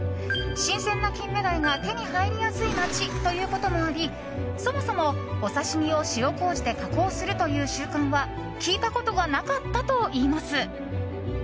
新鮮なキンメダイが手に入りやすい街ということもありそもそもお刺し身を塩麹で加工するという習慣は聞いたことがなかったといいます。